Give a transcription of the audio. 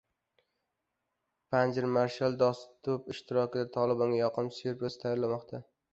Panjshir marshal Do‘stum ishtirokida Tolibonga yoqimsiz syurpriz tayyorlamoqda